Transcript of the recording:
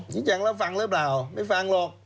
ชี้แจงแล้วฟังหรือเปล่าไม่ฟังหรอก